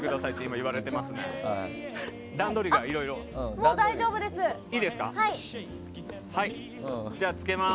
もう大丈夫です。